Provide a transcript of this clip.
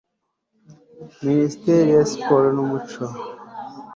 Minisiteri ya Siporo n Umuco